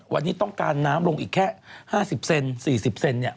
วันนี้ต้องการน้ำลงอีกแค่๕๐เซน๔๐เซนเนี่ย